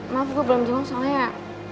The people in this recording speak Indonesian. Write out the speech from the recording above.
maaf gue belum jempol soalnya